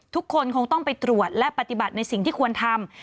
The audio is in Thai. ทุกคนคงต้องไปตรวจและปฏิบัติในสิ่งที่ควรทำ